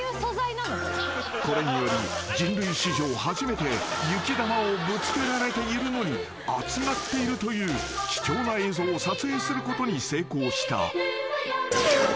［これにより人類史上初めて雪玉をぶつけられているのに熱がっているという貴重な映像を撮影することに成功した］